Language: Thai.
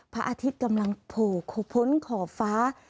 พระอาทิตย์กำลังผูกผลขอบฟ้า